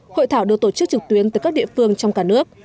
hội thảo được tổ chức trực tuyến từ các địa phương trong cả nước